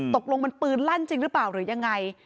ตกลงมันปืนลั่นจริงหรือเปล่าหรือยังไง